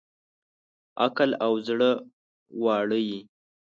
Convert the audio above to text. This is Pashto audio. عقل او زړه واړه یې